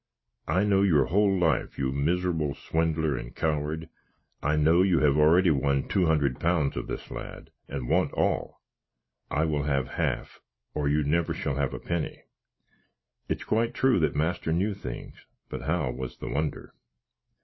I know your whole life, you miserable swindler and coward. I know you have already won two hundred pounds of this lad, and want all. I will have half, or you never shall have a penny." It's quite true that master knew things; but how was the wonder.